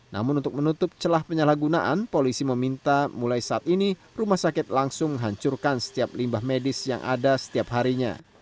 namun untuk menutup celah penyalahgunaan polisi meminta mulai saat ini rumah sakit langsung menghancurkan setiap limbah medis yang ada setiap harinya